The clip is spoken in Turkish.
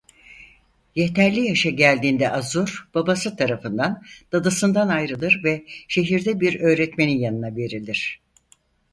Yeterli yaşa geldiğinde Azur babası tarafından dadısından ayrılır ve şehirde bir öğretmenin yanına verilir.